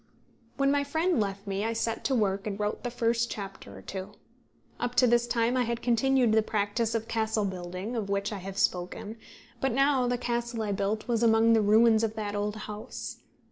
When my friend left me, I set to work and wrote the first chapter or two. Up to this time I had continued that practice of castle building of which I have spoken; but now the castle I built was among the ruins of that old house.